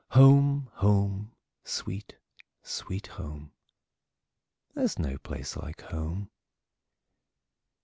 home! sweet, sweet home! There 's no place like home!